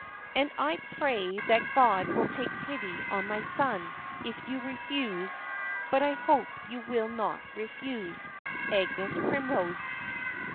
And I pray that God will take pity on my son, if you refuse; but I hope you will not refuse. "AGNES PRIMROSE."